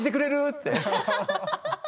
って。